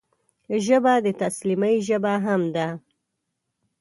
ژبه د تسلیمۍ ژبه هم ده